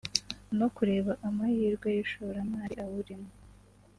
no kureba amahirwe y’ishoramari awurimo